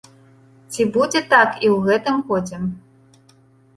Ці будзе так і ў гэтым годзе?